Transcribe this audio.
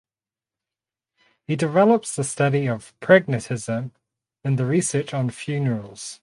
He develops the study of pragmatism in the research on funerals.